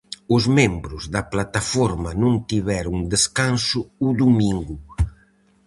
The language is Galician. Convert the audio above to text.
Os membros da Plataforma non tiveron descanso o domingo.